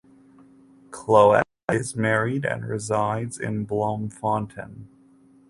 Cloete is married and resides in Bloemfontein.